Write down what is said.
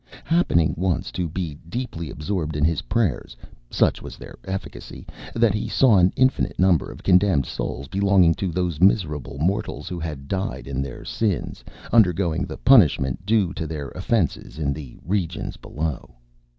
Happening once to be deeply absorbed in his prayers, such was their efficacy, that he saw an infinite number of condemned souls, belonging to those miserable mortals who had died in their sins, undergoing the punishment due to their offences in the regions below.